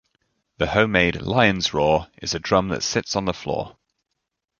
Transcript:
The home-made lion's roar is a drum that sits on the floor.